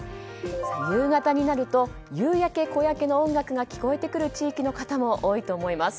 夕方になると「夕焼け小焼け」の音楽が聞こえてくる地域の方も多いと思います。